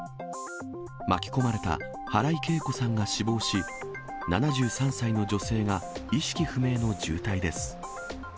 巻き込まれた原井恵子さんが死亡し、７３歳の女性が意識不明の重体です。